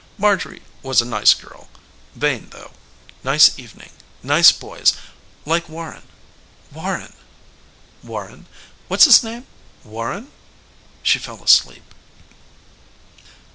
Marjorie nice girl vain, though nice evening nice boys like Warren Warren Warren what's his name Warren She fell asleep.